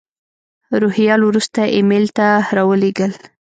روهیال وروسته ایمیل ته را ولېږل.